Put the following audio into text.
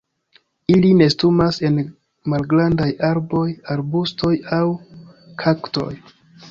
Ili nestumas en malgrandaj arboj, arbustoj aŭ kaktoj.